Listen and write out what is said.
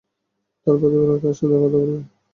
তাঁর প্রতিপালক তার সাথে কথা বললেন।